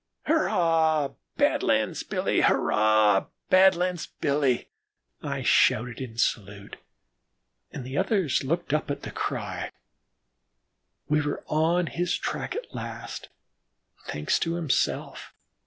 "Hurrah! Badlands Billy! Hurrah! Badlands Billy!" I shouted in salute, and the others took up the cry. We were on his track at last, thanks to himself.